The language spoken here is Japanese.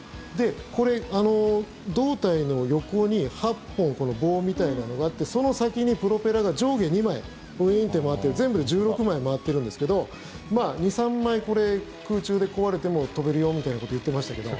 これ、胴体の横に８本棒みたいなのがあってその先にプロペラが上下２枚ウイーンって回ってる全部で１６枚回ってるんですけど２３枚、空中で壊れても飛べるよみたいなことを言ってましたけど。